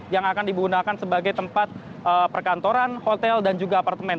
yang akan digunakan sebagai tempat perkantoran hotel dan juga apartemen